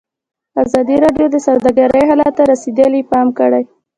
ازادي راډیو د سوداګري حالت ته رسېدلي پام کړی.